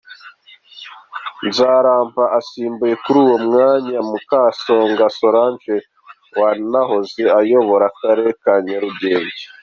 Nzaramba asimbuye kuri uwo mwanya Mukasonga Solange wanahoze ayobora Akarere ka Nyarugenge.